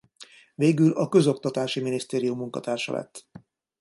Végül a Közoktatási Minisztérium munkatársa lett.